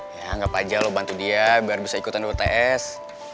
ya anggap aja lo bantu dia biar bisa ikutan uts